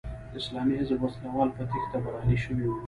د اسلامي حزب وسله وال په تېښته بریالي شوي وو.